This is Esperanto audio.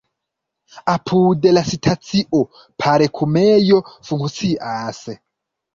Apud la stacio parkumejo funkcias.